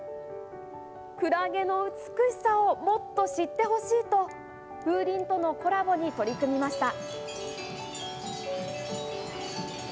クラゲの美しさをもっと知ってほしいと、風鈴とのコラボに取り組みました。